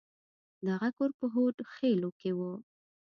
دغه کور په هود خيلو کښې و.